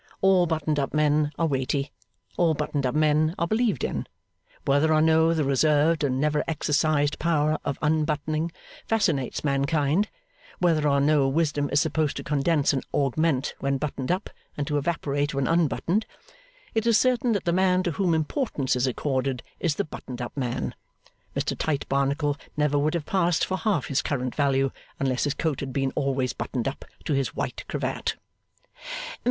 All buttoned up men are weighty. All buttoned up men are believed in. Whether or no the reserved and never exercised power of unbuttoning, fascinates mankind; whether or no wisdom is supposed to condense and augment when buttoned up, and to evaporate when unbuttoned; it is certain that the man to whom importance is accorded is the buttoned up man. Mr Tite Barnacle never would have passed for half his current value, unless his coat had been always buttoned up to his white cravat.